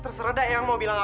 terserah eang mau bilang apa